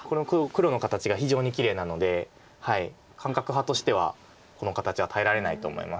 黒の形が非常にきれいなので感覚派としてはこの形は耐えられないと思います。